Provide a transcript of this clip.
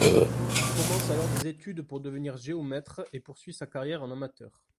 Il commence alors des études pour devenir géomètre et poursuit sa carrière en amateur.